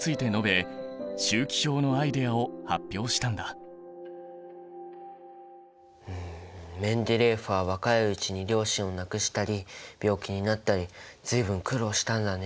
そしてその中でうんメンデレーエフは若いうちに両親を亡くしたり病気になったり随分苦労したんだね。